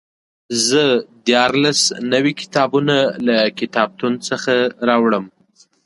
زه دیارلس نوي کتابونه له کتابتون څخه راوړم.